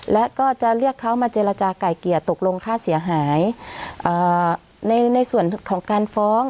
และก็จะเรียกเขามาเจรจาก่ายเกลี่ยตกลงค่าเสียหายในส่วนของการฟ้อง